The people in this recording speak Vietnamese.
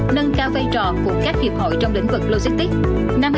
bảy nâng cao vây trò của các hiệp hội trong lĩnh vực logistics